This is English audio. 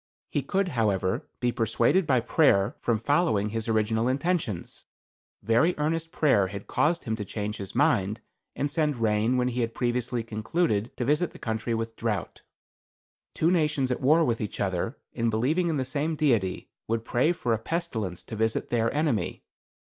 "He could, however, be persuaded by prayer from following his original intentions. Very earnest prayer had caused him to change his mind, and send rain when he had previously concluded to visit the country with drouth. "Two nations at war with each other, and believing in the same Deity, would pray for a pestilence to visit their enemy.